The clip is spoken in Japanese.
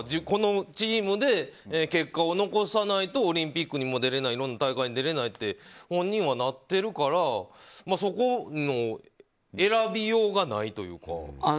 このチームで結果を残さないとオリンピックにも出れないいろんな大会に出れないって本人はなっているからそこは選びようがないというか。